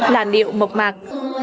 làn điệu mộc mạc